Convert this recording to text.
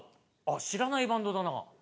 知らないバンドだなぁ。